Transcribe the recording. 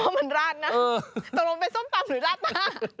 ตรงนั้นเป็นส้มตำหรือราดหน้า